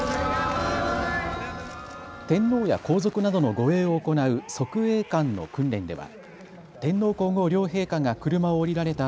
天皇や皇族などの護衛を行う側衛官の訓練では天皇皇后両陛下が車を降りられた